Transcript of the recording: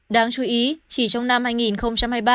đáng chú ý chỉ trong năm hai nghìn hai mươi ba